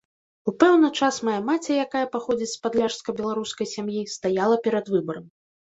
У пэўны час мая маці, якая паходзіць з падляшска-беларускай сям'і, стаяла перад выбарам.